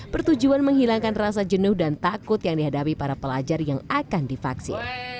bertujuan menghilangkan rasa jenuh dan takut yang dihadapi para pelajar yang akan divaksin